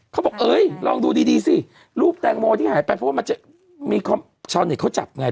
เขาบอกเอ๊ยลองดูดีสิรูปแตงโมยก็หายไปเพราะมีชาวเนสเขาจับไง